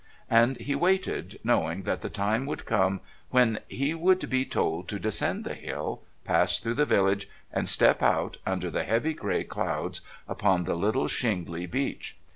And he waited, knowing that the time would come when he would be told to descend the hill, pass through the village, and step out, under the heavy grey clouds, upon the little shingly beach.